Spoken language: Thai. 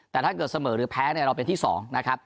แต่ถ้าเกิดเสมอหรือแพ้เนี่ยเราเป็นที่๒นะครับ